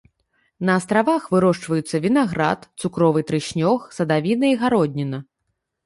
На астравах вырошчваюцца вінаград, цукровы трыснёг, садавіна і гародніна.